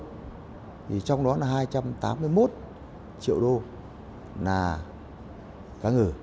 thì trong đó là hai trăm tám mươi một triệu đô là cá ngừ